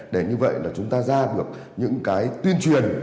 để như vậy là chúng ta ra được những cái tuyên truyền